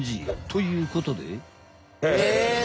ということで。